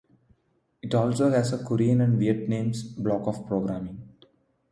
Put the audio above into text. It also has a Korean and Vietnamese block of programming.